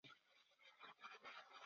Together they had two daughters.